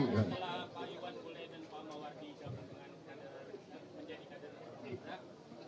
mungkin ada tempat tempat lain lagi yang bisa diberikan